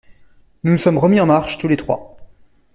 Nous nous sommes remis en marche, tous les trois.